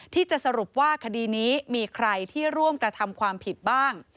ที่จะสรุปว่าคดีนี้มีใครที่ร่วมกระทำความผิดบ้าง